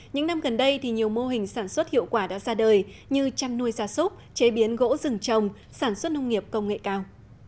những năm gần đây thì nhiều mô hình sản xuất hiệu quả đã ra đời như chăn nuôi gia súc chế biến gỗ rừng trồng sản xuất nông nghiệp công nghệ cao